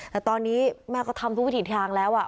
แต่ตอนนี้แม่ก็ทำทุกวิถีทางแล้ว